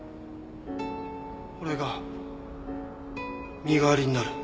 俺が身代わりになる。